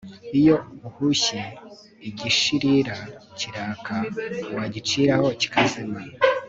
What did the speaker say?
iyo uhushye igishirira kiraka wagiciraho kikazima